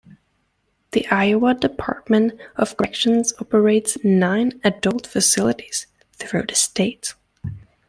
The Iowa Department of Corrections operates nine adult facilities through the state.